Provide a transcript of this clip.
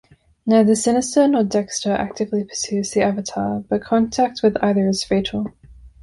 Neither Sinister nor Dexter actively pursues the avatar, but contact with either is fatal.